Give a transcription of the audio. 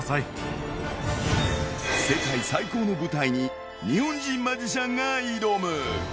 世界最高の舞台に日本人マジシャンが挑む。